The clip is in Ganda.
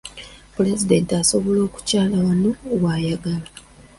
Pulezidenti asobola okukyala wonna w'ayagala.